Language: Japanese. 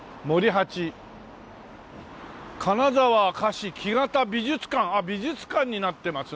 「金沢菓子木型美術館」あっ美術館になってますね。